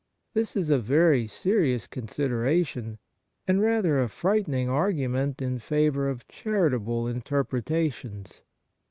^This is a very serious considera tion, and rather a frightening argument in favour of charitable interpretations.